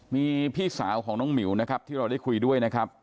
มีพี่สาวของน้องหมิวนะครับที่เราได้คุยด้วยนะครับ